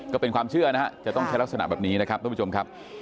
ก็เป็นความเชื่อนะฮะจะต้องใช้ลักษณะแบบนี้นะครับท่านผู้ชมครับ